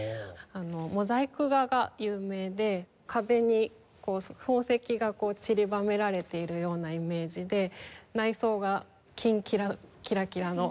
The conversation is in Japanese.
モザイク画が有名で壁に宝石がちりばめられているようなイメージで内装がキンキラキラキラの。